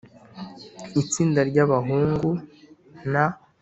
Itsinda ry abahungu n